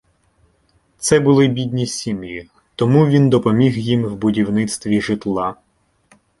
Це були бідні сім'ї, тому він допоміг їм в будівництві житла.